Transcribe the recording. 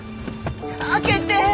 開けて。